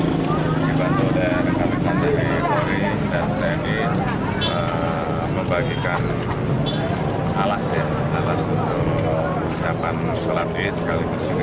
kita dibantu dan mengalihkan dari polri dan tni untuk membagikan alas untuk siapkan sholat id sekaligus juga